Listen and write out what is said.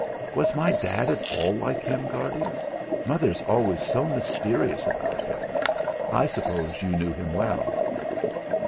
Was my dad at all like him, Guardy? Mother's always so mysterious about him. I suppose you knew him well."